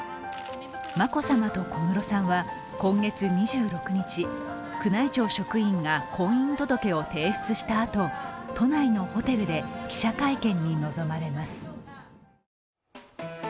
眞子さまと小室さんは、今月２６日宮内庁職員が婚姻届を提出したあと、都内のホテルで記者会見に臨まれます。